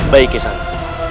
baik kisah anak